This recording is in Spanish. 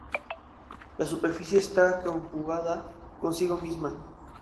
La superficie está conjugada consigo misma.